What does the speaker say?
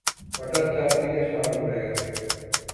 হঠাৎ চারদিকে সাড়া পড়ে গেল।